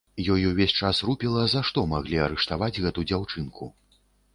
Ёй увесь час рупіла, за што маглі арыштаваць гэту дзяўчынку.